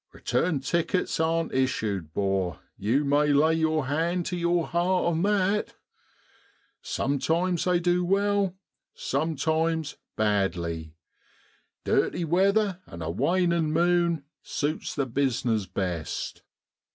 Eeturn tickets ain't issued, 'bor, you may lay your hand to your heart on that. Sometimes they do well, sometimes badly; dirty weather an' a wanin' moon suits the business best.